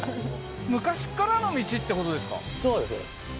昔からの道ってことですか？